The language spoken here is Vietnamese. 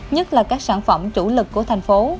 nhất là các sản phẩm chủ lực của thành phố